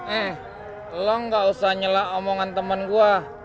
eh lo gak usah nyelak omongan temen gue